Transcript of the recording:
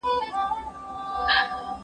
زه مخکي زده کړه کړي وو!!